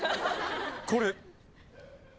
これ。